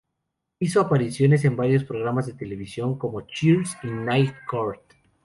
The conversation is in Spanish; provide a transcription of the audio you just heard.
Hizo apariciones en varios programas de televisión como "Cheers" y Night Court".